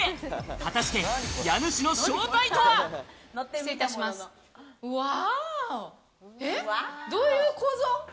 果たして家主の正体とは。どういう構造？